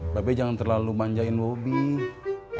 mbak be jangan terlalu manjain bobby